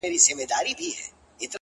میکده په نامه نسته! هم حرم هم محرم دی!